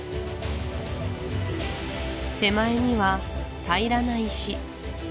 手前には平らな石